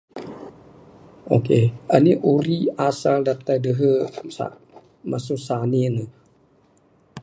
Okay. Anih uri asal da dehe mash start masu sanik ne.